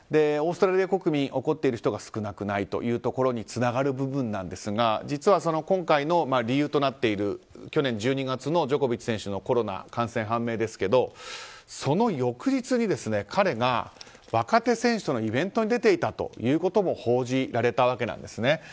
オーストラリア国民怒っている人が少なくないとつながる部分ですが実は今回の理由となっている去年１２月のジョコビッチ選手のコロナ感染判明ですけどその翌日に彼が若手選手とのイベントに出ていたということも報じられたわけなんです。